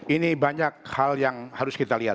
ini banyak hal yang harus kita lihat